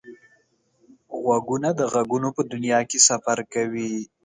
غوږونه د غږونو په دنیا کې سفر کوي